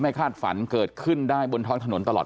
คาดฝันเกิดขึ้นได้บนท้องถนนตลอด